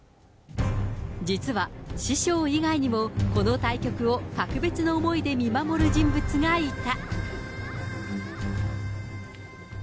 実は、師匠以外にもこの対局を格別の思いで見守る人物がいた。